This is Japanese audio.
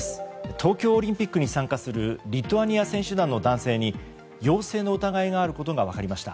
東京オリンピックに参加するリトアニア選手団の男性に陽性の疑いがあることが分かりました。